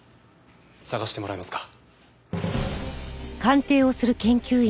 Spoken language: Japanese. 捜してもらえますか？